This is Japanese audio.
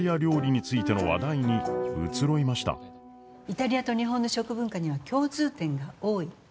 イタリアと日本の食文化には共通点が多い。